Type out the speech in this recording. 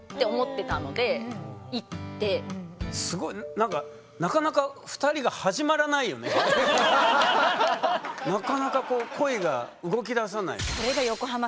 すごいなんかなかなか恋が動きださない。